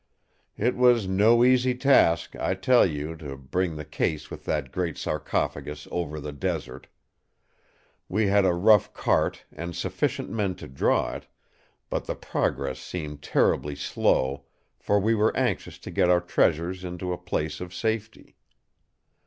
It was no easy task, I tell you, to bring the case with that great sarcophagus over the desert. We had a rough cart and sufficient men to draw it; but the progress seemed terribly slow, for we were anxious to get our treasures into a place of safety.